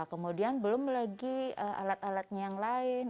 kemudian belum lagi alat alatnya yang lain